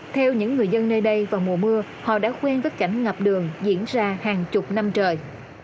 theo những người dân nơi đây vào mùa mưa họ đã quen với cảnh ngập đường diễn ra hàng chục năm trời